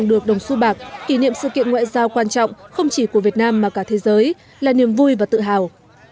được đồng su bạc kỷ niệm sự kiện ngoại giao quan trọng không chỉ của việt nam mà cả thế giới là niềm vui và tự hào